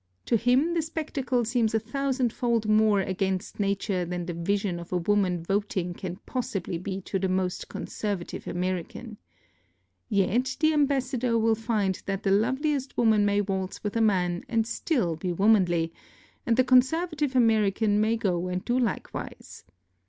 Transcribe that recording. To him the spectacle seems a thousandfold more against nature than the vision of a woman voting can possibly be to the most conservative American. Yet the ambassador will find that the loveliest woman may waltz with a man and still be womanly, and the conservative American may go and do likewise.